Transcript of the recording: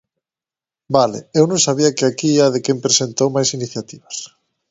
¡Vale, eu non sabía que aquí ía de quen presentou máis iniciativas!